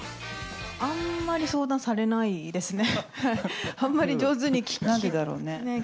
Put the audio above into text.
あんまり相談されないですね。